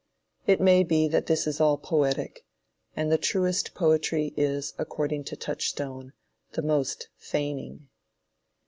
It may be that this is all poetic; and the truest poetry is, according to Touchstone, "the most feigning."